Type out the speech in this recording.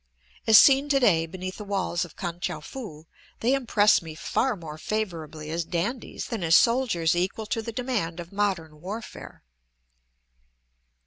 As seen today, beneath the walls of Kan tchou foo, they impress me far more favorably as dandies than as soldiers equal to the demand of modern warfare.